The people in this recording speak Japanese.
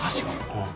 ・うん。